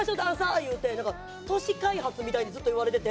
言うて都市開発みたいにずっと言われてて。